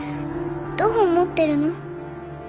どう思ってるの？